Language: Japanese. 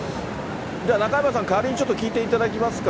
じゃあ、中山さん、代わりにちょっと聞いていただけますか。